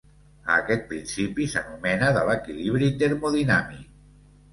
A aquest principi s'anomena de l'equilibri termodinàmic.